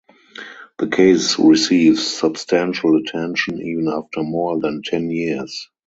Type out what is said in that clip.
The case receives substantial attention even after more than ten years.